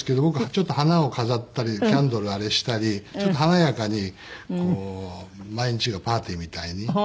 僕ちょっと花を飾ったりキャンドルをあれしたりちょっと華やかに毎日がパーティーみたいに。